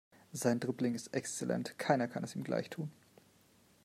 Sein Dribbling ist exzellent, keiner kann es ihm gleich tun.